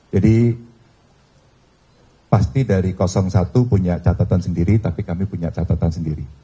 jadi pasti dari satu punya catatan sendiri tapi kami punya catatan sendiri